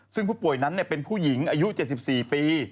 ซึ่งผู้ป่วยนั้นเป็นผู้หญิงอายุ๗๔ปี